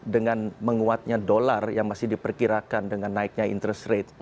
dengan menguatnya dolar yang masih diperkirakan dengan naiknya interest rate